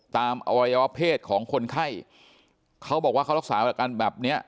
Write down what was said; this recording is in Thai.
อวัยวะเพศของคนไข้เขาบอกว่าเขารักษาอาการแบบเนี้ย